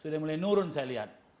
sudah mulai nurun saya lihat